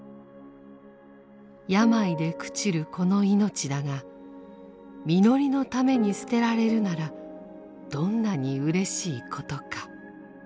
病で朽ちるこの命だがみのりのために捨てられるならどんなにうれしいことか。